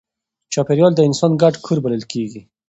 چاپېریال د انسان ګډ کور بلل کېږي.